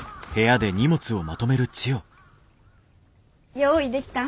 用意できたん？